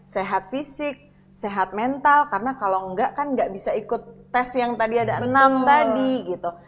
sehat fisik sehat mental karena kalau enggak kan nggak bisa ikut tes yang tadi ada enam tadi gitu